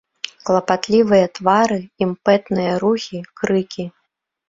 Клапатлівыя твары, імпэтныя рухі, крыкі.